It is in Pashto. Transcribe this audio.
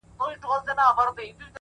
o شاوخوا ټولي سيمي،